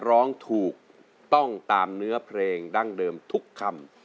ร้องถูกต้องตามเนื้อเพลงดั้งเดิมทุกคำ